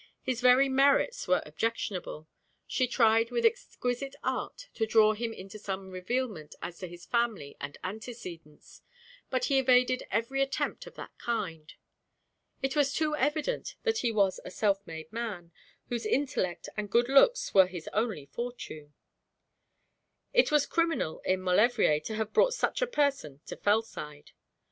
His very merits were objectionable. She tried with exquisite art to draw him into some revealment as to his family and antecedents: but he evaded every attempt of that kind. It was too evident that he was a self made man, whose intellect and good looks were his only fortune. It was criminal in Maulevrier to have brought such a person to Fellside.